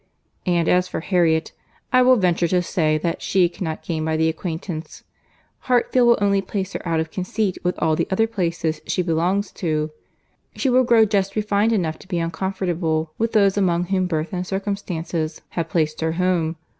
And as for Harriet, I will venture to say that she cannot gain by the acquaintance. Hartfield will only put her out of conceit with all the other places she belongs to. She will grow just refined enough to be uncomfortable with those among whom birth and circumstances have placed her home.